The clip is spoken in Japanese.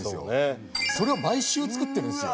それを毎週作ってるんですよ。